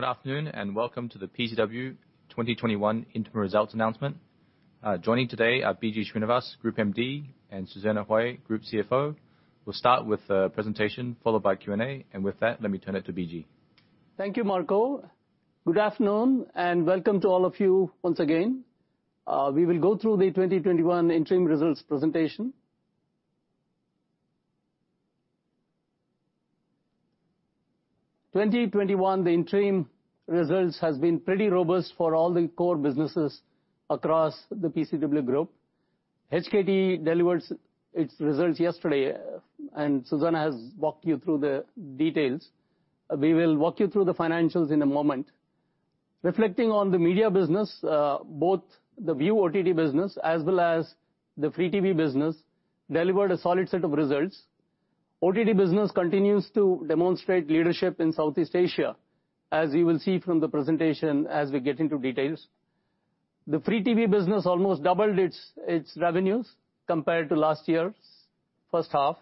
Good afternoon, welcome to the PCCW 2021 interim results announcement. Joining today are B.G. Srinivas, Group MD, and Susanna Hui, Group CFO. We'll start with a presentation followed by Q&A. With that, let me turn it to B.G. Thank you, Marco. Good afternoon, and welcome to all of you once again. We will go through the 2021 interim results presentation. 2021, the interim results have been pretty robust for all the core businesses across the PCCW group. HKT delivered its results yesterday, and Susanna has walked you through the details. We will walk you through the financials in a moment. Reflecting on the media business, both the Viu OTT business as well as the free TV business delivered a solid set of results. OTT business continues to demonstrate leadership in Southeast Asia, as you will see from the presentation as we get into details. The free TV business almost doubled its revenues compared to last year's first half.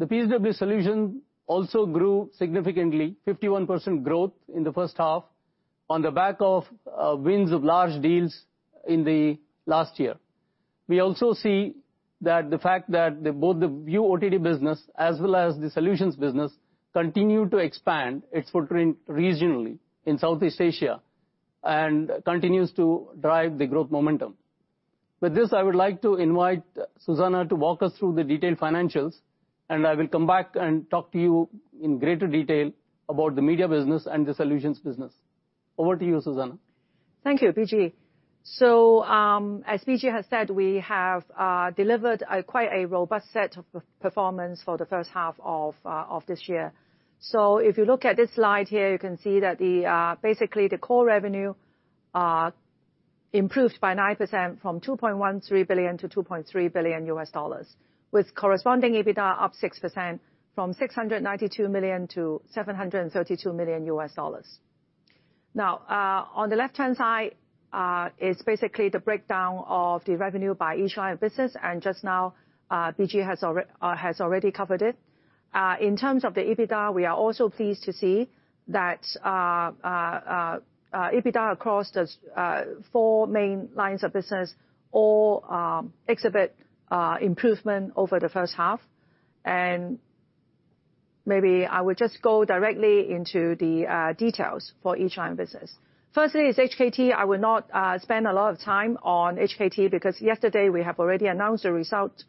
The PCCW Solutions also grew significantly, 51% growth in the first half, on the back of wins of large deals in the last year. We also see that the fact that both the Viu OTT business as well as the Solutions business continue to expand its footprint regionally in Southeast Asia, and continues to drive the growth momentum. With this, I would like to invite Susanna to walk us through the detailed financials, and I will come back and talk to you in greater detail about the media business and the Solutions business. Over to you, Susanna. Thank you, B.G. As B.G. has said, we have delivered quite a robust set of performance for the first half of this year. If you look at this slide here, you can see that basically the core revenue improved by 9% from HKD 2.13 billion-HKD 2.3 billion, with corresponding EBITDA up 6% from HKD 692 million-HKD 732 million. On the left-hand side is basically the breakdown of the revenue by each line of business, and just now, B.G. has already covered it. In terms of the EBITDA, we are also pleased to see that EBITDA across the four main lines of business all exhibit improvement over the first half. Maybe I would just go directly into the details for each line of business. Firstly is HKT. I will not spend a lot of time on HKT because yesterday we have already announced the result.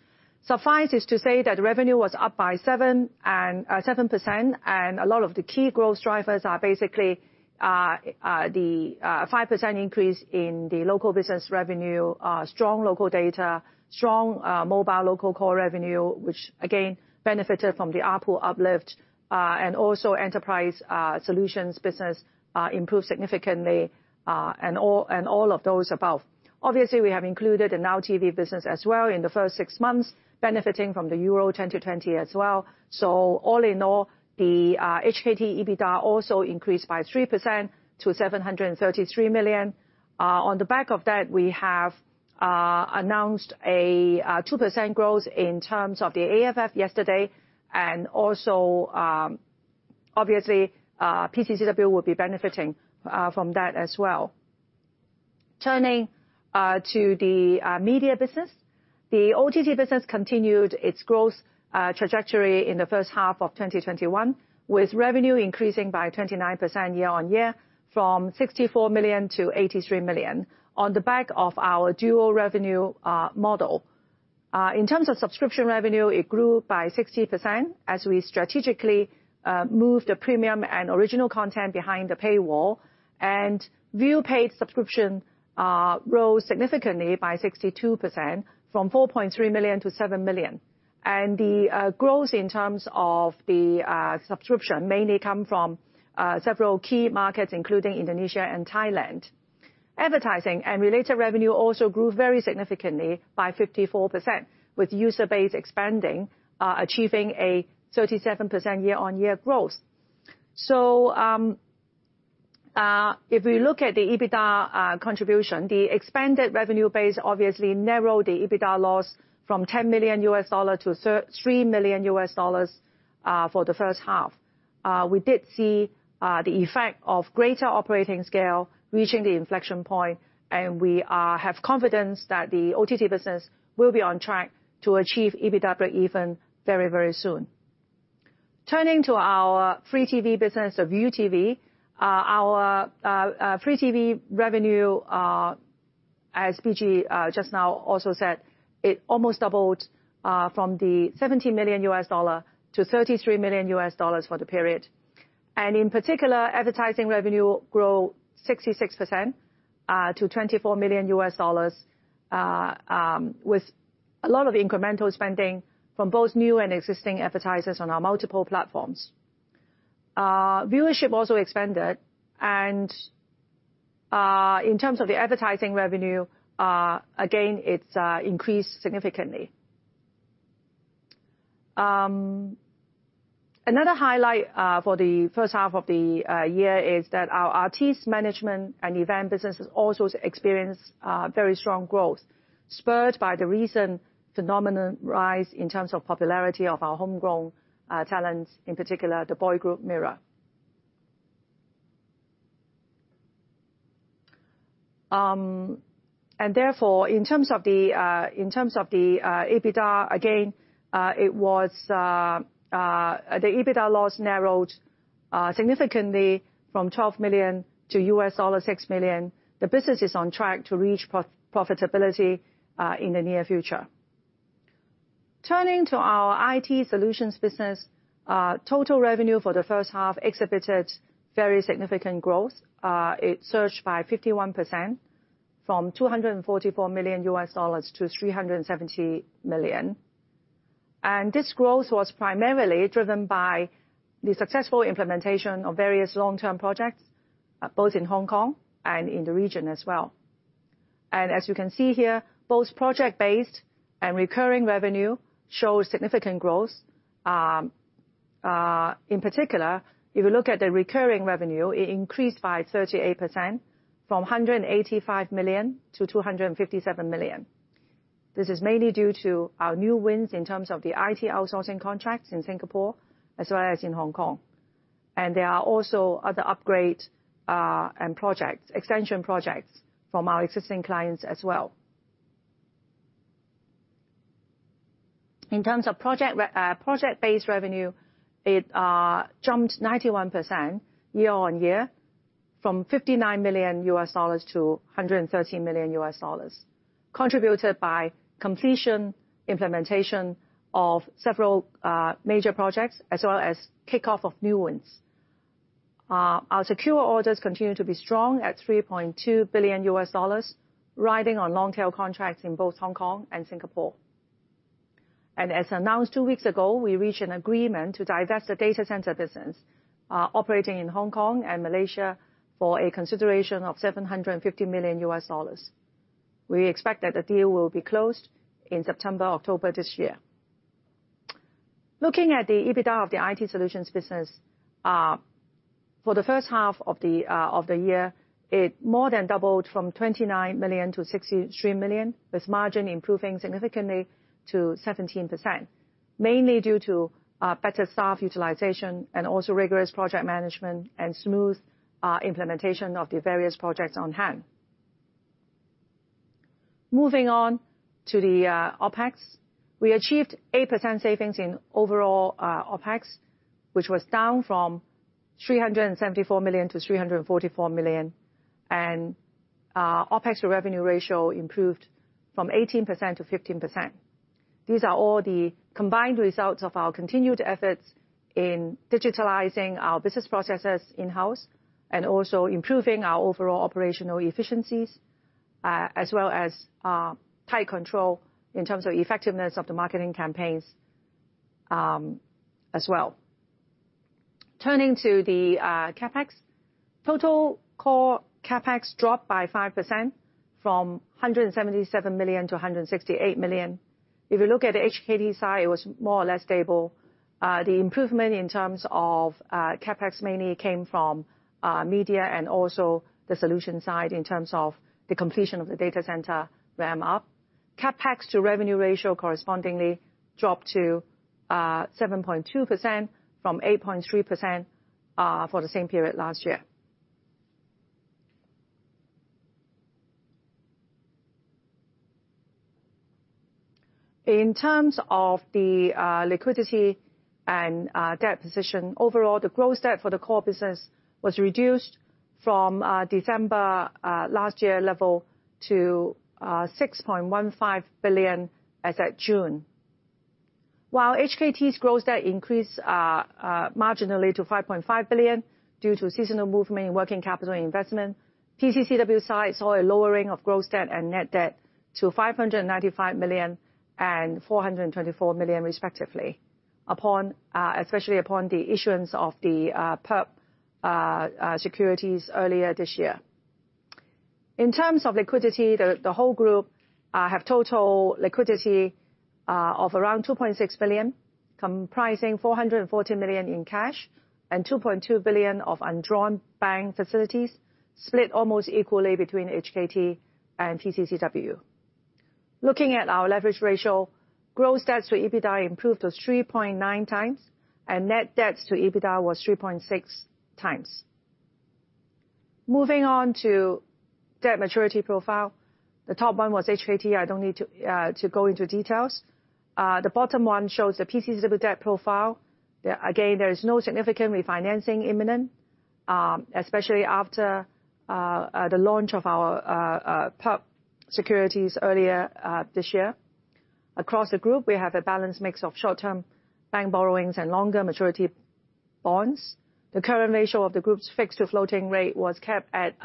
Suffice it to say that revenue was up by 7%, and a lot of the key growth drivers are basically the 5% increase in the local business revenue, strong local data, strong mobile local core revenue, which again benefited from the ARPU uplift, and also enterprise solutions business improved significantly. All of those above. Obviously, we have included the Now TV business as well in the first 6 months, benefiting from Euro 2020 as well. All in all, the HKT EBITDA also increased by 3% to 733 million. On the back of that, we have announced a 2% growth in terms of the AFF yesterday, and also, obviously, PCCW will be benefiting from that as well. Turning to the media business. The OTT business continued its growth trajectory in the first half of 2021, with revenue increasing by 29% year-on-year from 64 million-83 million on the back of our dual revenue model. In terms of subscription revenue, it grew by 60% as we strategically moved the premium and original content behind the paywall. Viu paid subscription grew significantly by 62%, from 4.3 million-7 million. The growth in terms of the subscription mainly came from several key markets, including Indonesia and Thailand. Advertising and related revenue also grew very significantly by 54%, with user base expanding, achieving a 37% year-on-year growth. If we look at the EBITDA contribution, the expanded revenue base obviously narrowed the EBITDA loss from HKD 10 million to HKD 3 million for the first half. We did see the effect of greater operating scale reaching the inflection point, and we have confidence that the OTT business will be on track to achieve EBITDA breakeven very, very soon. Turning to our free TV business of ViuTV. Our free TV revenue, as B.G. just now also said, it almost doubled from the HKD 17 million-HKD 33 million for the period. In particular, advertising revenue grew 66% to HKD 24 million with a lot of incremental spending from both new and existing advertisers on our multiple platforms. Viewership also expanded, and in terms of the advertising revenue, again, it's increased significantly. Another highlight for the first half of the year is that our Artists Management and Event business has also experienced very strong growth, spurred by the recent phenomenon rise in terms of popularity of our homegrown talents, in particular, the boy group MIRROR. Therefore, in terms of the EBITDA, again, the EBITDA loss narrowed significantly from $12 million to $6 million. The business is on track to reach profitability in the near future. Turning to our IT solutions business. Total revenue for the first half exhibited very significant growth. It surged by 51%, from $244 million-$370 million. This growth was primarily driven by the successful implementation of various long-term projects, both in Hong Kong and in the region as well. As you can see here, both project-based and recurring revenue show significant growth. In particular, if you look at the recurring revenue, it increased by 38%, from 185 million-257 million. This is mainly due to our new wins in terms of the IT outsourcing contracts in Singapore as well as in Hong Kong. There are also other upgrade and extension projects from our existing clients as well. In terms of project-based revenue, it jumped 91% year-on-year from $59 million-$113 million, contributed by completion, implementation of several major projects as well as kickoff of new ones. Our secure orders continue to be strong at $3.2 billion, riding on long-tail contracts in both Hong Kong and Singapore. As announced two weeks ago, we reached an agreement to divest the data center business operating in Hong Kong and Malaysia for a consideration of $750 million. We expect that the deal will be closed in September or October this year. Looking at the EBITDA of the IT solutions business. For the first half of the year, it more than doubled from 29 million-63 million, with margin improving significantly to 17%, mainly due to better staff utilization and also rigorous project management and smooth implementation of the various projects on hand. Moving on to the OpEx. We achieved 8% savings in overall OpEx, which was down from 374 million-344 million. OpEx revenue ratio improved from 18% to 15%. These are all the combined results of our continued efforts in digitalizing our business processes in-house and also improving our overall operational efficiencies, as well as tight control in terms of effectiveness of the marketing campaigns as well. Turning to the CapEx. Total core CapEx dropped by 5%, from 177 million to 168 million. If you look at the HKT side, it was more or less stable. The improvement in terms of CapEx mainly came from media and also the solution side in terms of the completion of the data center ramp up. CapEx to revenue ratio correspondingly dropped to 7.2% from 8.3% for the same period last year. In terms of the liquidity and debt position. Overall, the gross debt for the core business was reduced from December last year level to 6.15 billion as at June. While HKT's gross debt increased marginally to 5.5 billion due to seasonal movement in working capital investment, PCCW side saw a lowering of gross debt and net debt to 595 million and 424 million respectively, especially upon the issuance of the perp securities earlier this year. In terms of liquidity, the whole group have total liquidity of around 2.6 billion, comprising 440 million in cash and 2.2 billion of undrawn bank facilities, split almost equally between HKT and PCCW. Looking at our leverage ratio, gross debts to EBITDA improved to 3.9 times, and net debts to EBITDA was 3.6 times. Moving on to debt maturity profile. The top one was HKT. I don't need to go into details. The bottom one shows the PCCW debt profile. Again, there is no significant refinancing imminent, especially after the launch of our perp securities earlier this year. Across the group, we have a balanced mix of short-term bank borrowings and longer maturity bonds. The current ratio of the group's fixed to floating rate was kept at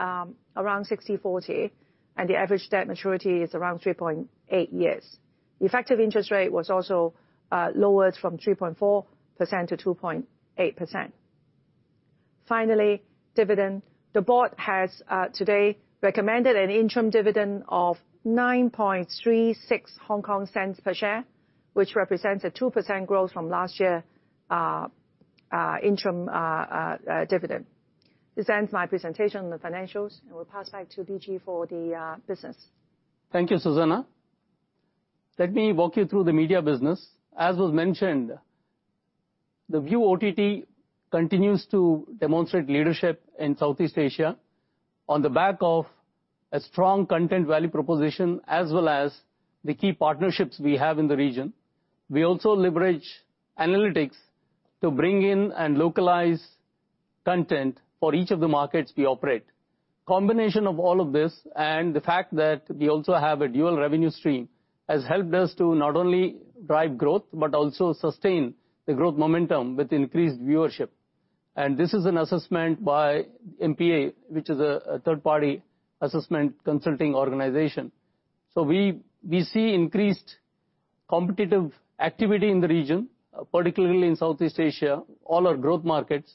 around 60/40, and the average debt maturity is around 3.8 years. The effective interest rate was also lowered from 3.4% to 2.8%. Finally, dividend. The board has today recommended an interim dividend of 0.0936 per share, which represents a 2% growth from last year interim dividend. This ends my presentation on the financials, and will pass back to B.G. for the business. Thank you, Susanna. Let me walk you through the media business. As was mentioned, the Viu OTT continues to demonstrate leadership in Southeast Asia on the back of a strong content value proposition, as well as the key partnerships we have in the region. We also leverage analytics to bring in and localize content for each of the markets we operate. Combination of all of this, and the fact that we also have a dual revenue stream, has helped us to not only drive growth, but also sustain the growth momentum with increased viewership. This is an assessment by MPA, which is a third-party assessment consulting organization. We see increased competitive activity in the region, particularly in Southeast Asia, all our growth markets.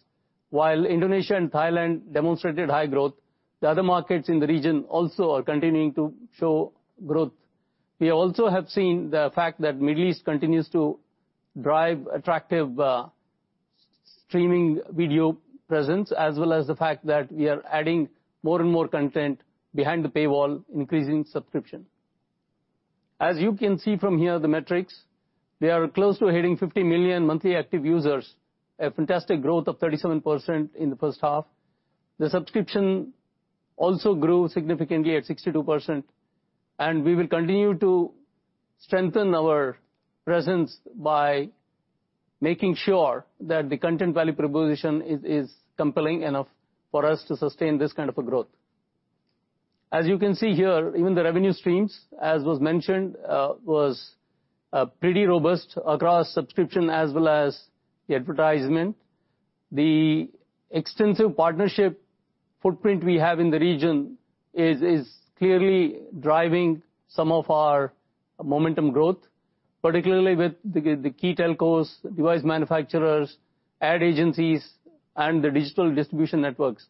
While Indonesia and Thailand demonstrated high growth, the other markets in the region also are continuing to show growth. We also have seen the fact that Middle East continues to drive attractive streaming video presence, as well as the fact that we are adding more and more content behind the paywall, increasing subscription. As you can see from here, the metrics, we are close to hitting 50 million monthly active users, a fantastic growth of 37% in the first half. The subscription also grew significantly at 62%, and we will continue to strengthen our presence by making sure that the content value proposition is compelling enough for us to sustain this kind of a growth. As you can see here, even the revenue streams, as was mentioned, was pretty robust across subscription as well as the advertisement. The extensive partnership footprint we have in the region is clearly driving some of our momentum growth, particularly with the key telcos, device manufacturers, ad agencies, and the digital distribution networks.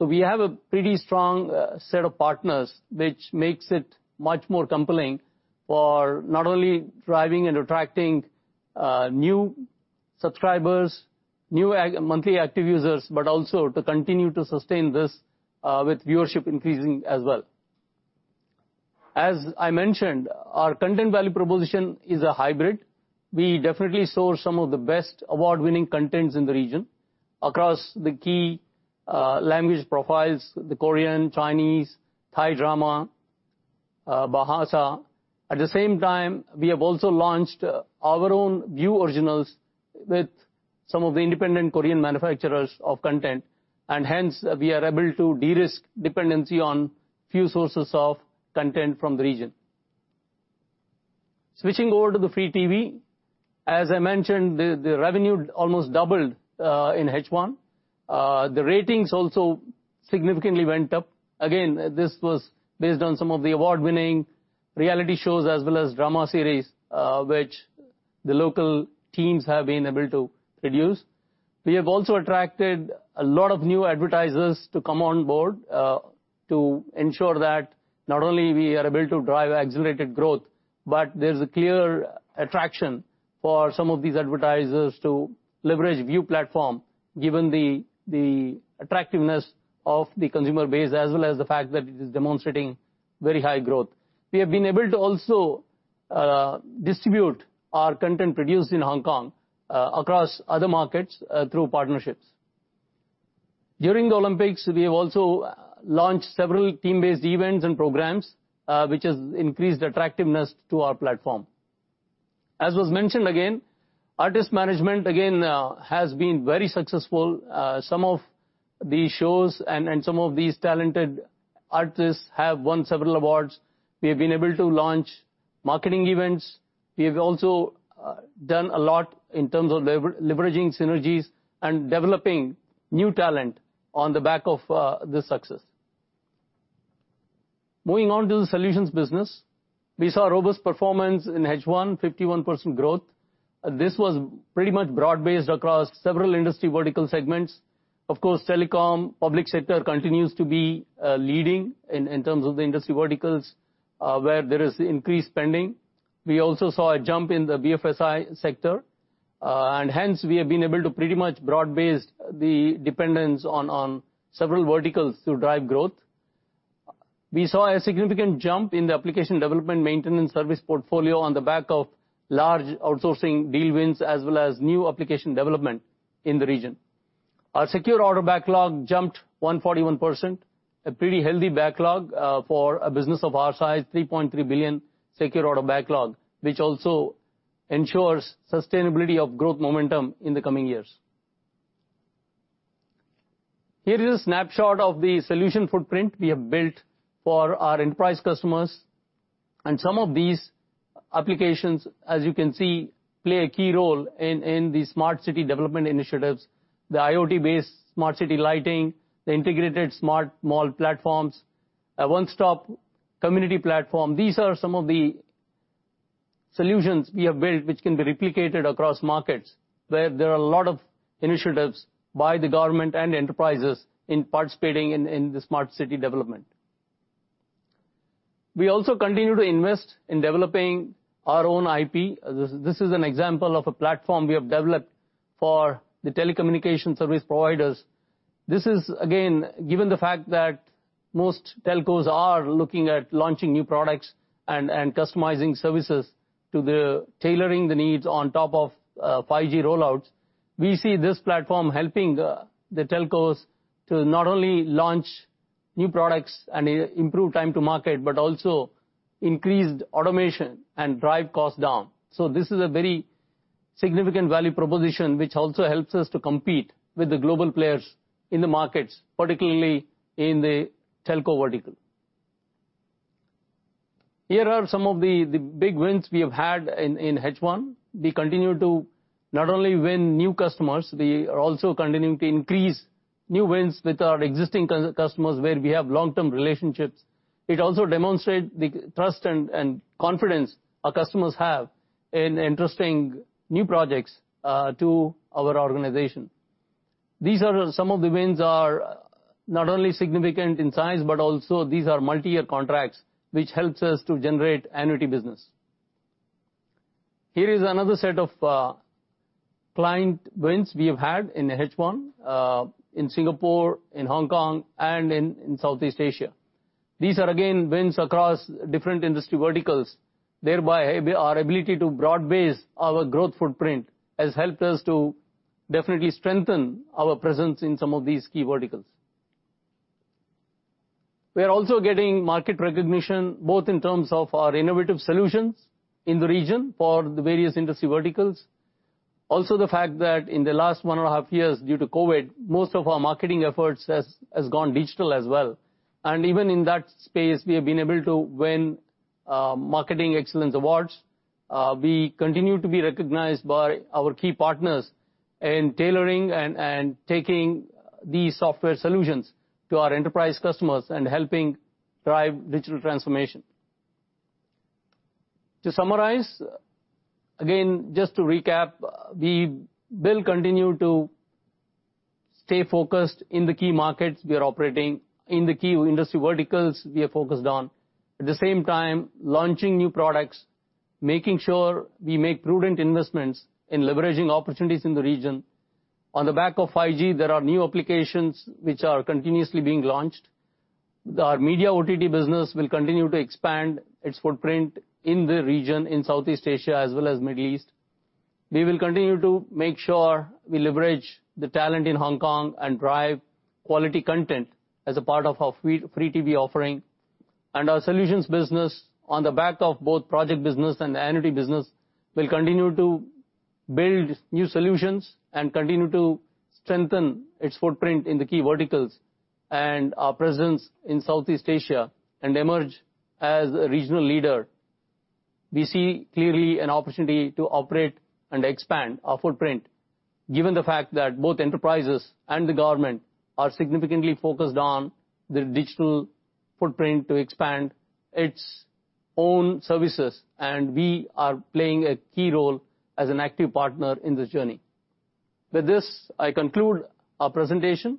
We have a pretty strong set of partners, which makes it much more compelling for not only driving and attracting new subscribers, new monthly active users, but also to continue to sustain this with viewership increasing as well. As I mentioned, our content value proposition is a hybrid. We definitely source some of the best award-winning content in the region across the key language profiles, the Korean, Chinese, Thai drama, Bahasa. At the same time, we have also launched our own Viu Original with some of the independent Korean manufacturers of content, and hence, we are able to de-risk dependency on few sources of content from the region. Switching over to the free TV. As I mentioned, the revenue almost doubled in H1. The ratings also significantly went up. Again, this was based on some of the award-winning reality shows as well as drama series, which the local teams have been able to produce. We have also attracted a lot of new advertisers to come on board to ensure that not only we are able to drive accelerated growth, but there's a clear attraction for some of these advertisers to leverage Viu platform, given the attractiveness of the consumer base, as well as the fact that it is demonstrating very high growth. We have been able to also distribute our content produced in Hong Kong across other markets through partnerships. During the Olympics, we have also launched several team-based events and programs, which has increased attractiveness to our platform. As was mentioned again, artist management again, has been very successful. Some of these shows and some of these talented artists have won several awards. We have been able to launch marketing events. We have also done a lot in terms of leveraging synergies and developing new talent on the back of this success. Moving on to the solutions business. We saw robust performance in H1, 51% growth. This was pretty much broad-based across several industry vertical segments. Of course, telecom, public sector continues to be leading in terms of the industry verticals, where there is increased spending. We also saw a jump in the BFSI sector. Hence, we have been able to pretty much broad-base the dependence on several verticals to drive growth. We saw a significant jump in the application development maintenance service portfolio on the back of large outsourcing deal wins as well as new application development in the region. Our secure order backlog jumped 141%, a pretty healthy backlog for a business of our size, 3.3 billion secure order backlog, which also ensures sustainability of growth momentum in the coming years. Here is a snapshot of the solution footprint we have built for our enterprise customers. Some of these applications, as you can see, play a key role in the smart city development initiatives. The IoT-based smart city lighting, the integrated smart mall platforms, a one-stop community platform. These are some of the solutions we have built which can be replicated across markets where there are a lot of initiatives by the government and enterprises in participating in the smart city development. We also continue to invest in developing our own IP. This is an example of a platform we have developed for the telecommunication service providers. This is, again, given the fact that most telcos are looking at launching new products and customizing services tailoring the needs on top of 5G rollouts. We see this platform helping the telcos to not only launch new products and improve time to market, but also increased automation and drive costs down. This is a very significant value proposition, which also helps us to compete with the global players in the markets, particularly in the telco vertical. Here are some of the big wins we have had in H1. We continue to not only win new customers, we are also continuing to increase new wins with our existing customers where we have long-term relationships. It also demonstrates the trust and confidence our customers have in entrusting new projects to our organization. These are some of the wins are not only significant in size, but also these are multi-year contracts, which helps us to generate annuity business. Here is another set of client wins we have had in H1 in Singapore, in Hong Kong, and in Southeast Asia. These are again, wins across different industry verticals, thereby our ability to broad base our growth footprint has helped us to definitely strengthen our presence in some of these key verticals. We are also getting market recognition, both in terms of our innovative solutions in the region for the various industry verticals. Also, the fact that in the last one and a half years, due to COVID, most of our marketing efforts has gone digital as well. Even in that space, we have been able to win marketing excellence awards. We continue to be recognized by our key partners in tailoring and taking these software solutions to our enterprise customers and helping drive digital transformation. To summarize, again, just to recap, we will continue to stay focused in the key markets we are operating, in the key industry verticals we are focused on, launching new products, making sure we make prudent investments in leveraging opportunities in the region. On the back of 5G, there are new applications which are continuously being launched. Our media OTT business will continue to expand its footprint in the region, in Southeast Asia as well as Middle East. We will continue to make sure we leverage the talent in Hong Kong and drive quality content as a part of our free TV offering. Our Solutions business, on the back of both project business and the annuity business, will continue to build new solutions and continue to strengthen its footprint in the key verticals and our presence in Southeast Asia and emerge as a regional leader. We see clearly an opportunity to operate and expand our footprint given the fact that both enterprises and the government are significantly focused on their digital footprint to expand its own services, and we are playing a key role as an active partner in this journey. With this, I conclude our presentation.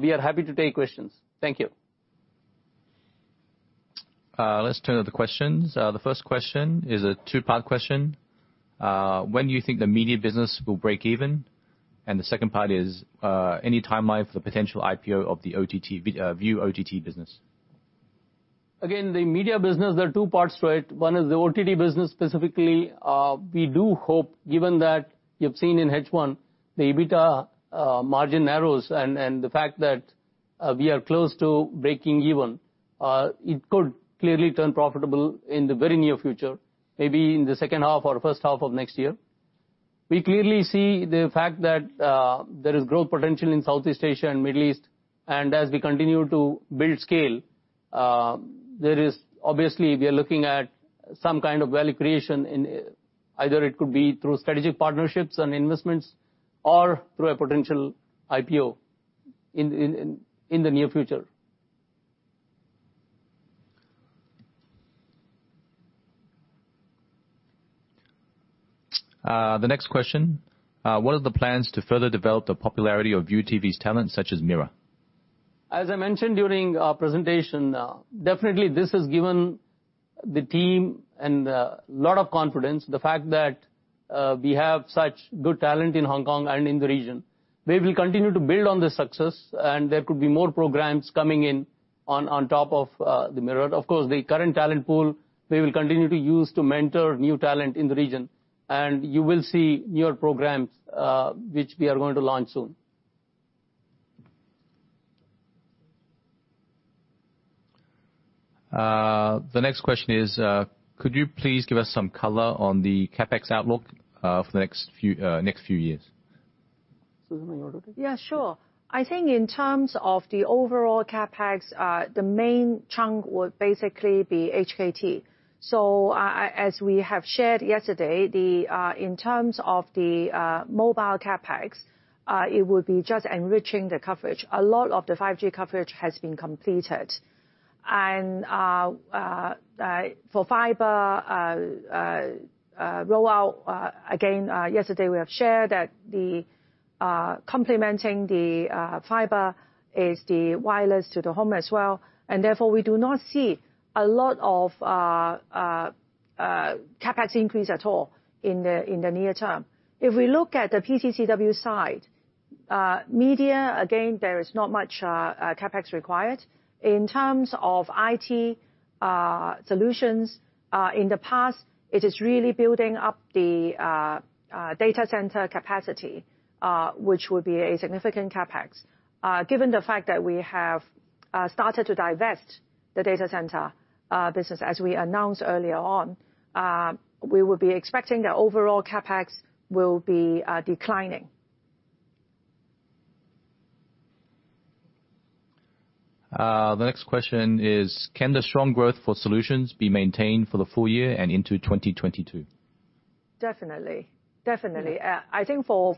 We are happy to take questions. Thank you. Let's turn to the questions. The first question is a two-part question. When do you think the media business will break even? The second part is, any timeline for the potential IPO of the Viu OTT business? The media business, there are two parts to it. One is the OTT business specifically. We do hope, given that you've seen in H1 the EBITDA margin narrows and the fact that we are close to breaking even. It could clearly turn profitable in the very near future, maybe in the second half or first half of next year. We clearly see the fact that there is growth potential in Southeast Asia and Middle East. As we continue to build scale, obviously, we are looking at some kind of value creation in either it could be through strategic partnerships and investments or through a potential IPO in the near future. The next question. What are the plans to further develop the popularity of ViuTV's talent such as MIRROR? As I mentioned during our presentation, definitely this has given the team a lot of confidence, the fact that we have such good talent in Hong Kong and in the region. We will continue to build on this success. There could be more programs coming in on top of the MIRROR. Of course, the current talent pool, we will continue to use to mentor new talent in the region. You will see newer programs which we are going to launch soon. The next question is, could you please give us some color on the CapEx outlook for the next few years? Susan, you want to take it? Yeah, sure. I think in terms of the overall CapEx, the main chunk would basically be HKT. As we have shared yesterday, in terms of the mobile CapEx, it would be just enriching the coverage. A lot of the 5G coverage has been completed. For fiber rollout, again, yesterday we have shared that the complementing the fiber is the wireless to the home as well, and therefore we do not see a lot of CapEx increase at all in the near term. If we look at the PCCW side, media, again, there is not much CapEx required. In terms of IT solutions, in the past, it is really building up the data center capacity, which would be a significant CapEx. Given the fact that we have started to divest the data center business as we announced earlier on, we will be expecting that overall CapEx will be declining. The next question is, "Can the strong growth for solutions be maintained for the full year and into 2022? Definitely. I think for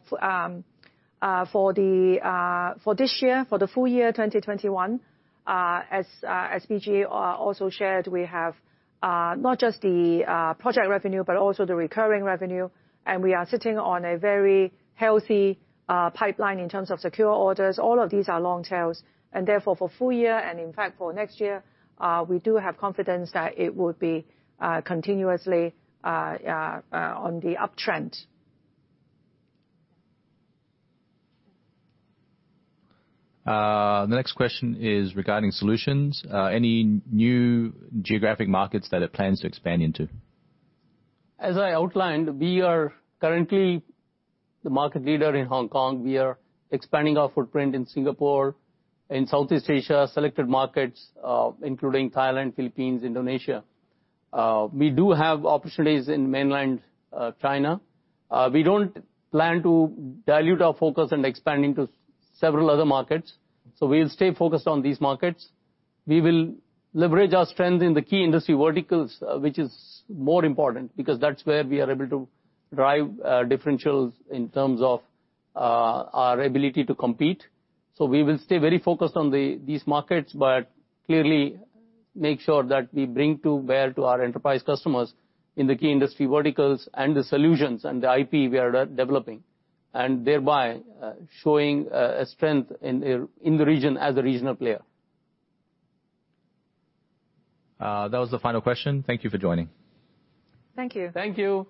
this year, for the full year 2021, as B.G. also shared, we have not just the project revenue, but also the recurring revenue, and we are sitting on a very healthy pipeline in terms of secure orders. All of these are long tails, and therefore for full year, and in fact for next year, we do have confidence that it would be continuously on the uptrend. The next question is regarding Solutions. Any new geographic markets that it plans to expand into? As I outlined, we are currently the market leader in Hong Kong. We are expanding our footprint in Singapore, in Southeast Asia, selected markets including Thailand, Philippines, Indonesia. We do have opportunities in mainland China. We don't plan to dilute our focus and expand into several other markets. We'll stay focused on these markets. We will leverage our strength in the key industry verticals, which is more important because that's where we are able to drive differentials in terms of our ability to compete. We will stay very focused on these markets, but clearly make sure that we bring to bear to our enterprise customers in the key industry verticals and the solutions and the IP we are developing, and thereby, showing a strength in the region as a regional player. That was the final question. Thank you for joining. Thank you. Thank you.